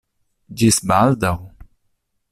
Ĝis baldaŭ.